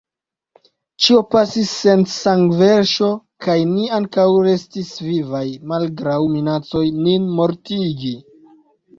Ĉio pasis sen sangverŝo kaj ni ankaŭ restis vivaj malgraŭ minacoj nin mortigi.